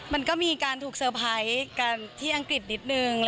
มันก็มีการถูกเซอร์ไพรส์กันที่อังกฤษนิดนึง